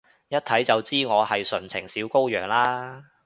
一睇就知我係純情小羔羊啦？